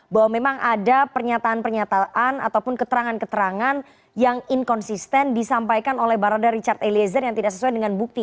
bahwa memang ada pernyataan pernyataan ataupun keterangan keterangan yang inkonsisten disampaikan oleh barada richard eliezer yang tidak sesuai dengan bukti